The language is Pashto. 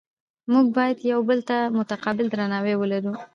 موږ باید یو بل ته متقابل درناوی ولرو